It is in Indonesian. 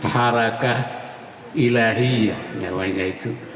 harakah ilahiya namanya itu